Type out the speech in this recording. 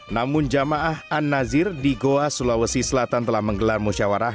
namun jamaah an nazir di goa sulawesi selatan telah menggelar musyawarah